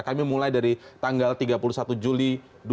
kami mulai dari tanggal tiga puluh satu juli dua ribu dua puluh